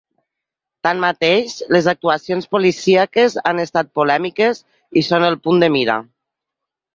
Tanmateix, les actuacions policíaques han estat polèmiques i són en el punt de mira.